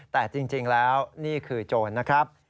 แต่จริงแล้วนี่คือโจรนะครับ